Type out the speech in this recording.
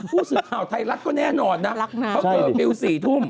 ผู้สื่อข่าวไทยรัฐก็แน่นอนนะเพราะเคอร์ฟิล๔ทุ่ม